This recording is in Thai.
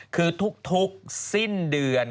คือทุกสิ้นเดือน